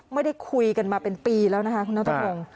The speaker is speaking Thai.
ไม่ได้คุยกันมาเป็นปีแล้วนะคะคุณนัทพงศ์